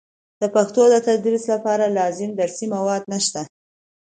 د پښتو د تدریس لپاره لازم درسي مواد نشته.